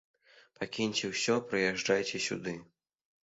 Пакіньце ўсё, прыязджайце сюды.